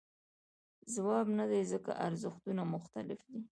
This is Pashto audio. ځواب نه دی ځکه ارزښتونه مختلف دي.